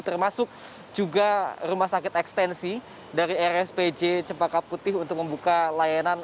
termasuk juga rumah sakit ekstensi dari rspj cempaka putih untuk membuka layanan